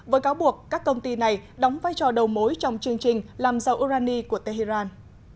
với cáo buộc các công ty này đóng vai trò đầu mối trong chương trình làm dầu urani của tehran